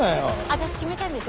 私決めたんです